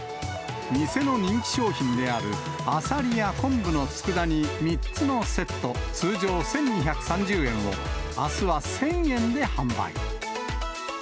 店の人気商品であるあさりや昆布のつくだ煮３つのセット通常１２３０円を、あすは１０００円で販売。